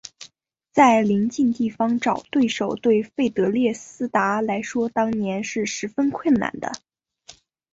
在邻近地方找对手对费德列斯达来说当年是十分困难的。